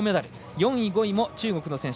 ４位、５位も中国の選手。